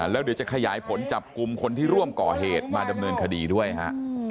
แล้วเดี๋ยวจะขยายผลจับกลุ่มคนที่ร่วมก่อเหตุมาดำเนินคดีด้วยฮะ